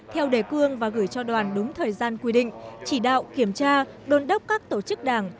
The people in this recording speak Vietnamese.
theo đề cương và gửi cho đoàn đúng thời gian quy định chỉ đạo kiểm tra đôn đốc các tổ chức đảng